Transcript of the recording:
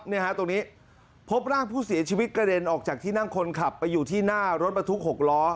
ตรงนี้พบร่างผู้เสียชีวิตกระเด็นออกจากที่นั่งคนขับไปอยู่ที่หน้ารถบรรทุก๖ล้อ